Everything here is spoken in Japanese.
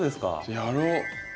やろう。